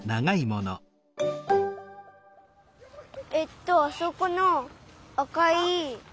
えっとあそこのあかい。